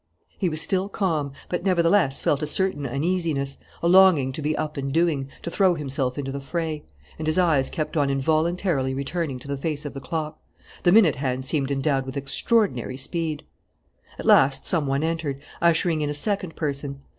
He was still calm, but nevertheless felt a certain uneasiness, a longing to be up and doing, to throw himself into the fray; and his eyes kept on involuntarily returning to the face of the clock. The minute hand seemed endowed with extraordinary speed. At last some one entered, ushering in a second person.